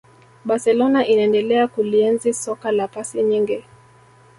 barcelona inaendelea kulienzi soka la pasi nyingi